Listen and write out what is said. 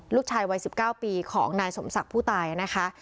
ลูกชายวัย๑๙ปีของนายสมศักดิ์ผู้ตายนะคะ